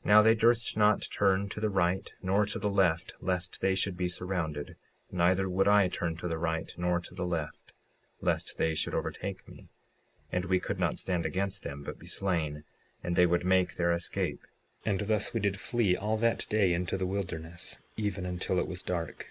56:40 Now they durst not turn to the right nor to the left lest they should be surrounded; neither would I turn to the right nor to the left lest they should overtake me, and we could not stand against them, but be slain, and they would make their escape; and thus we did flee all that day into the wilderness, even until it was dark.